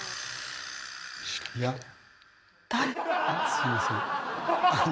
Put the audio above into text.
すいませんあの。